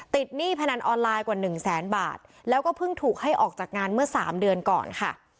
หนี้พนันออนไลน์กว่าหนึ่งแสนบาทแล้วก็เพิ่งถูกให้ออกจากงานเมื่อสามเดือนก่อนค่ะ